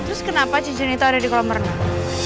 terus kenapa cijen itu ada di kolam renang